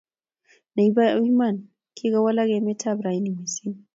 Nebo iman kikowalak emet ab rani mising